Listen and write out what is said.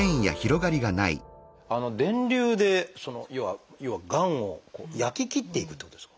電流でその要はがんを焼き切っていくってことですか？